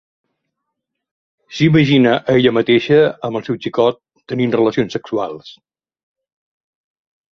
S"imagina a ella mateixa amb el seu xicot tenint relacions sexuals.